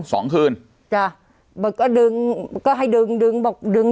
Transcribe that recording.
สองคืน